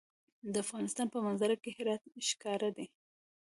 د افغانستان په منظره کې هرات ښکاره دی.